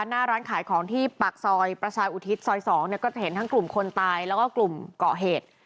หน้าร้านขายของที่ปากซอยประชาอุทิศซอย๒เนี่ยก็จะเห็นทั้งกลุ่มคนตายแล้วก็กลุ่มเกาะเหตุ